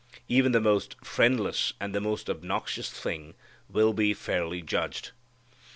Even the most friendless and the most obnoxious thing will be fairly judged.